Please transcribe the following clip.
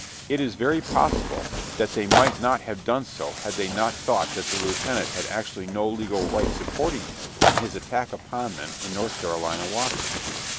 It is very possible that they might not have done so had they not thought that the lieutenant had actually no legal right supporting him in his attack upon them in North Carolina waters.